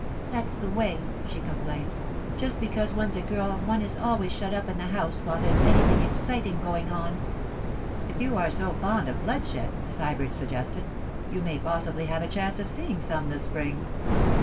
'That's the way,' she complained. 'Just because one's a girl one is always shut up in the house while there's anything exciting going on.' 'If you are so fond of bloodshed,' Sybert suggested, 'you may possibly have a chance of seeing some this spring.